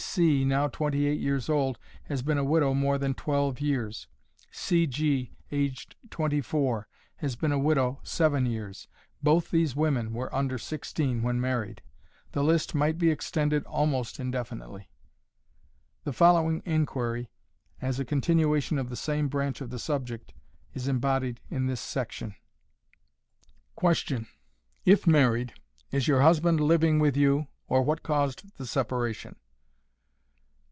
C. C., now twenty eight years old, has been a widow more than twelve years. C. G., aged twenty four, has been a widow seven years. Both these women were under sixteen when married. The list might be extended almost indefinitely. The following inquiry, as a continuation of the same branch of the subject, is embodied in this section. Question. IF MARRIED, IS YOUR HUSBAND LIVING WITH YOU, OR WHAT CAUSED THE SEPARATION?